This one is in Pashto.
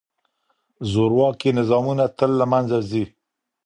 زورواکي نظامونه تل له منځه ځي.